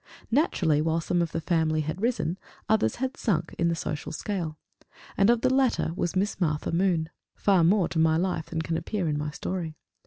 Naturally, while some of the family had risen, others had sunk in the social scale; and of the latter was Miss Martha Moon, far more to my life than can appear in my story.